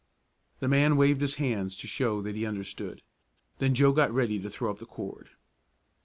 The man waved his hands to show that he understood. Then Joe got ready to throw up the cord.